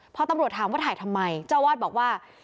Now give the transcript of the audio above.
พอตำรวจถามว่าถ่ายทำไมเจ้าวาดบอกว่า